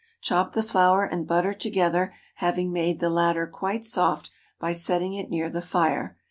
Chop the flour and butter together, having made the latter quite soft by setting it near the fire.